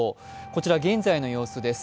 こちら、現在の様子です。